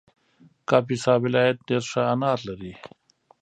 کاپیسا ولایت ډېر ښه انار لري